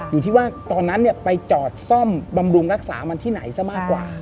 อยู่ที่ว่าตอนนั้นไปจอดซ่อมบำรุงรักษามันที่ไหนซะมากกว่า